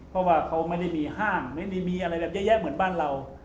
เพราะว่าเขาไม่ได้มีห้างไม่ได้มีอะไรแบบแยะเหมือนบ้านเรา